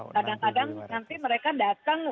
kadang kadang nanti mereka datang